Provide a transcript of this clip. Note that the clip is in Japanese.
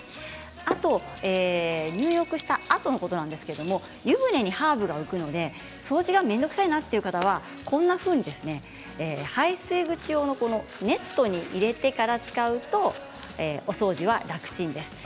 あと入浴したあとのことなんですが湯船にハーブが浮くので掃除が面倒くさいなという方はこんなふうに排水口用のネットに入れてから使うとお掃除が楽ちんです。